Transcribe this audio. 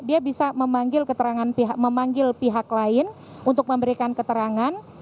dia bisa memanggil memanggil pihak lain untuk memberikan keterangan